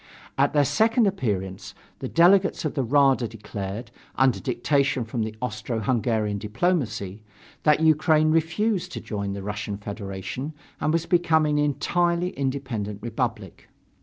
At their second appearance the delegates of the Rada declared, under dictation from the Austro Hungarian diplomacy, that Ukraine refused to join the Russian Federation and was becoming an entirely independent republic.